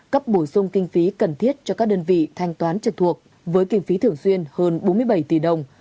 cấp bổ sung kinh phí cần thiết cho các đơn vị thanh toán trực thuộc với kinh phí thường xuyên hơn bốn mươi bảy tỷ đồng